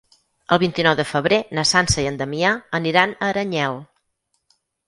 El vint-i-nou de febrer na Sança i en Damià aniran a Aranyel.